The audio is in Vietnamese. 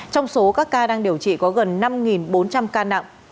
trong số các ca đang điều trị có gần năm bốn trăm linh ca nặng